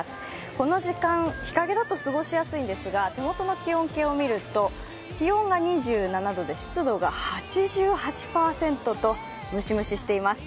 この時間、日陰だと過ごしやすいんですが手元の気温計を見ると、気温が２７度で湿度が８８％とムシムシしています。